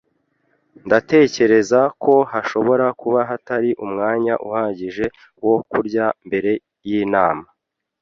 Ndatekereza ko hashobora kuba hatari umwanya uhagije wo kurya mbere yinama.